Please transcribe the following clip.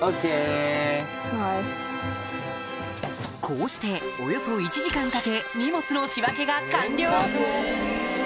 こうしておよそ１時間かけ荷物の仕分けが完了！